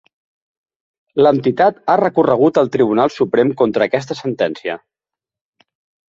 L'entitat ha recorregut al tribunal suprem contra aquesta sentència.